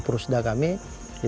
lebih dekat lagi